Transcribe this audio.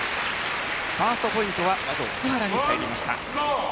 ファーストポイントはまず奥原に入りました。